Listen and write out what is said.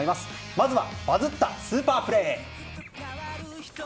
まずはバズったスーパープレー。